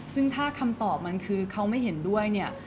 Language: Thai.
ซึ่งถ้าคำตอบมันคือเขาไม่เห็นด้วยเนี่ย